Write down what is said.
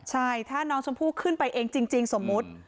ใช่ถ้าน้องชมพู่ขึ้นไปเองจริงสมมุติ